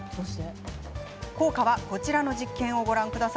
効果は、こちらの実験をご覧あれ。